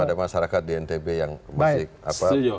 dan juga kepada masyarakat di ntb yang masih berhenti